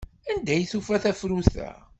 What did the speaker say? Anda ay tufa tafrut-a?